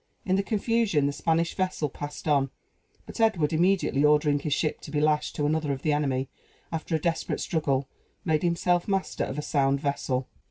In the confusion the Spanish vessel passed on; but Edward immediately ordering his ship to be lashed to another of the enemy, after a desperate struggle, made himself master of a sound vessel.